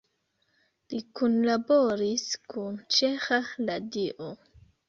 Li kunlaboris kun Ĉeĥa Radio.